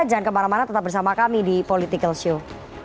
jangan kemana mana tetap bersama kami di political show